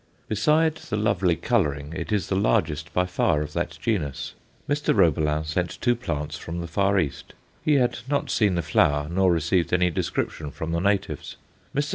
Besides the lovely colouring it is the largest by far of that genus. Mr. Roebelin sent two plants from the Far East; he had not seen the flower, nor received any description from the natives. Mr.